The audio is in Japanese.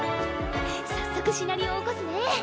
早速シナリオ起こすね。